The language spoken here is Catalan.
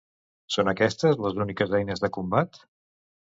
Són aquestes les úniques eines de combat?